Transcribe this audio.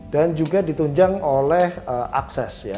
dan juga ditunjang oleh akses